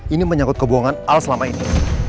ini menyangkut kebohongan al selama ini